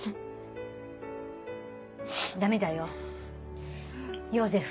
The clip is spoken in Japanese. ダメだよヨーゼフ。